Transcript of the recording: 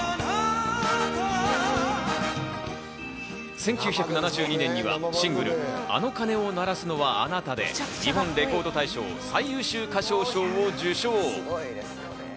１９７２年にはシングル『あの鐘を鳴らすのはあなた』で日本レコード大賞最優秀歌唱賞を受賞。